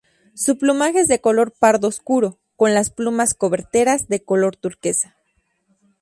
Su plumaje es de color pardo oscuro, con las plumas coberteras de color turquesa.